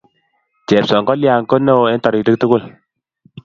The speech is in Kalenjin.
Chepsongolian ku neoo eng' toritik tugul.